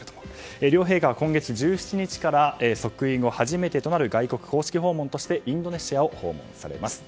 両陛下は今月１７日から即位後初めてとなる外国公式訪問としてインドネシアを訪問されます。